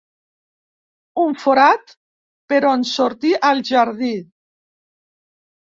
Un forat per on sortir al jardí.